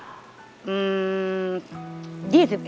ร้องได้ให้ร้าง